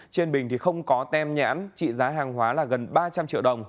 trên bình không có tem nhãn trị giá hàng hóa gần ba trăm linh triệu